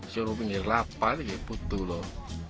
suruh bingung lapar putuh loh